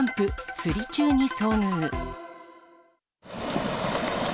釣り中に遭遇。